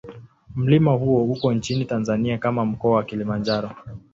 Mlima huo uko nchini Tanzania katika Mkoa wa Kilimanjaro.